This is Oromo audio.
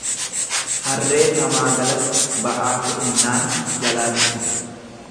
Harree tamaagalatti ba'aa fe'ennaan jalaa jiksite.